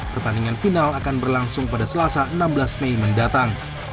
pertandingan final akan berlangsung pada selasa enam belas mei mendatang